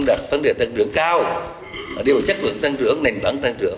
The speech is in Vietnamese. đồng thời giữ được mục tiêu ổn định vĩ mô